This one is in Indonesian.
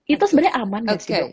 itu sebenarnya aman gak sih dok